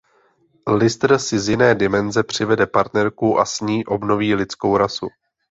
Lister si z jiné dimenze přivede partnerku a s ní obnoví lidskou rasu.